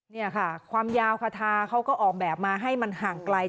นี่ค่ะความยาวคาทาเขาก็ออกแบบมาให้มันห่างไกล